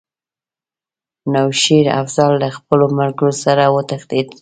نو شېر افضل له خپلو ملګرو سره وتښتېد.